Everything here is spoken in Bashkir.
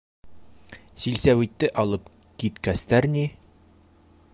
Силсәүитте алып киткәстәр ни...